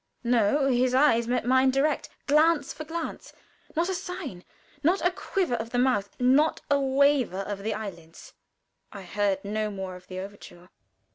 No. His eyes met mine direct glance for glance; not a sign, not a quiver of the mouth, not a waver of the eyelids. I heard no more of the overture.